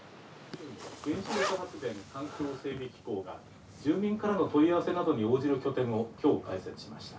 原子力発電環境整備機構が住民からの問い合わせなどに応じる拠点をきょう開設しました。